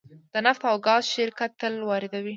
د نفت او ګاز شرکت تیل واردوي